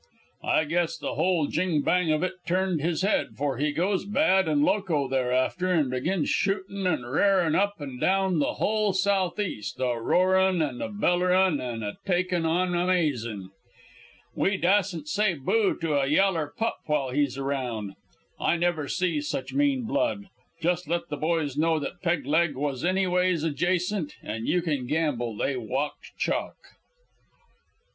I guess the whole jing bang of it turned his head, for he goes bad and loco thereafter, and begins shootin' and r'arin' up an' down the hull Southwest, a roarin' and a bellerin' and a takin' on amazin'. We dasn't say boo to a yaller pup while he's round. I never see such mean blood. Jus' let the boys know that Peg leg was anyways adjacent an' you can gamble they walked chalk.